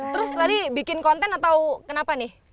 terus tadi bikin konten atau kenapa nih